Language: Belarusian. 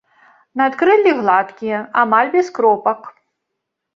Надкрыллі гладкія, амаль без кропак.